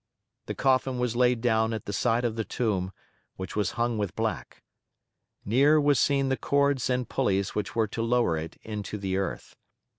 The coffin was laid down at the side of the tomb, which was hung with black. Near were seen the cords and pulleys which were to lower it into the earth.